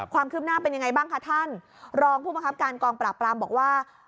ความคืบหน้าเป็นยังไงบ้างคะท่านรองผู้บังคับการกองปราบปรามบอกว่า